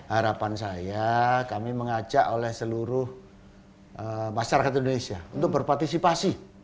harapan saya kami mengajak oleh seluruh masyarakat indonesia untuk berpartisipasi